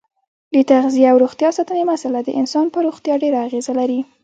د تغذیې او روغتیا ساتنې مساله د انسان په روغتیا ډېره اغیزه لري.